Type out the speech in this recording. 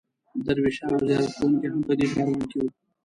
درویشان او زیارت کوونکي هم په دې کاروان کې وو.